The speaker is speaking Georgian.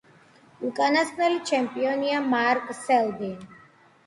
უკანასკნელი ჩემპიონია მარკ სელბი.